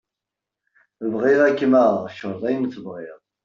Bɣiɣ ad k-maɣeɣ, creḍ ayen tebɣiḍ.